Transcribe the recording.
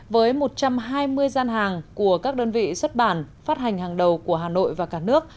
với một trăm hai mươi gian hàng của các đơn vị xuất bản phát hành hàng đầu của hà nội và cả nước